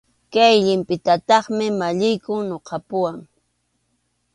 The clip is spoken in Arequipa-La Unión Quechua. Kay llipintataqmi maqlliyku ñuqapuwan.